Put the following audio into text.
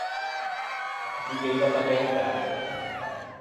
Dovieiva pagâ e tasce.